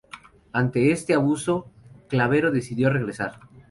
Ante este abuso, Clavero decidió regresar.